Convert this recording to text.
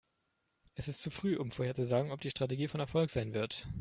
Es ist zu früh, um vorherzusagen, ob die Strategie von Erfolg sein wird.